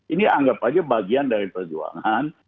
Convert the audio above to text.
ini anggap aja bagian dari perjuangan